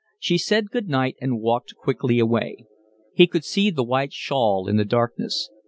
She said good night and walked quickly away. He could see the white shawl in the darkness.